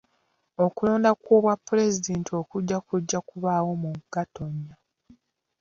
Okulonda kw'obwa pulezidenti okujja kujja kubaawo mu Gatonnya